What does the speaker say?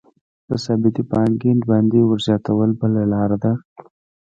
په ثابتې پانګې باندې ورزیاتول بله لاره ده